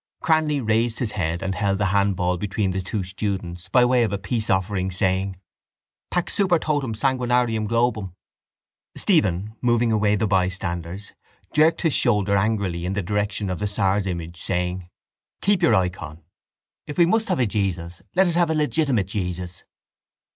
Cranly raised his head and held the handball between the two students by way of a peaceoffering, saying: —Pax super totum sanguinarium globum. Stephen, moving away the bystanders, jerked his shoulder angrily in the direction of the Tsar's image, saying: —Keep your icon. If we must have a Jesus let us have a legitimate Jesus.